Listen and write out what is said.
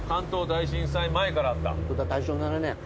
大正７年。